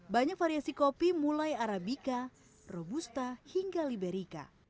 banyak variasi kopi mulai arabica robusta hingga liberica